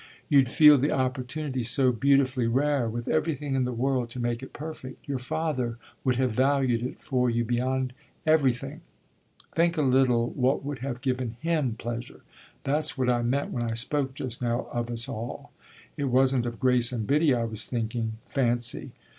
"You'd feel the opportunity so beautifully rare, with everything in the world to make it perfect. Your father would have valued it for you beyond everything. Think a little what would have given him pleasure. That's what I meant when I spoke just now of us all. It wasn't of Grace and Biddy I was thinking fancy!